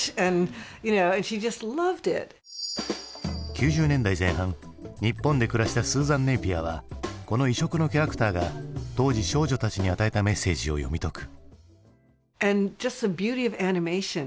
９０年代前半日本で暮らしたスーザン・ネイピアはこの異色のキャラクターが当時少女たちに与えたメッセージを読み解く。